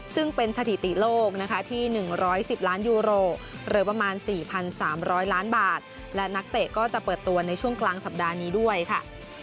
ซึ่งเป็นสถิติโลกนะคะที่๑๑๐ล้านยูโรหรือประมาณ๔๓๐๐ล้านบาทและนักเตะก็จะเปิดตัวในช่วงกลางสัปดาห์นี้ด้วยค่ะ